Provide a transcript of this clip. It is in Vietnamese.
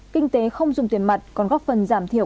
kinh tế không dùng tiền mặt còn góp phần giảm thiểu